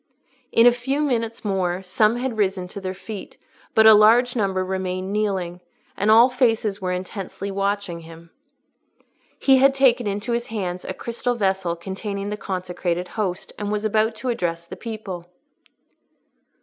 In a few minutes more, some had risen to their feet, but a larger number remained kneeling, and all faces were intently watching him. He had taken into his hands a crystal vessel, containing the consecrated Host, and was about to address the people.